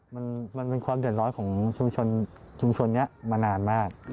มันเป็นความเดือดร้อนของชุมชนชุมชนนี้มานานมาก